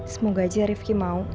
semoga aja ripki mau